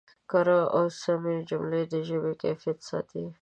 کره او سمې جملې د ژبې کیفیت ساتي.